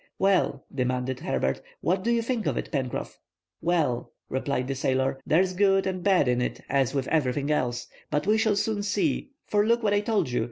"Well," demanded Herbert, "what do you think of it, Pencroff?" "Well," replied the sailor, "there's good and bad in it, as with everything else. But we shall soon see; for look; what I told you.